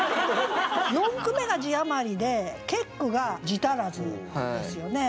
四句目が字余りで結句が字足らずですよね。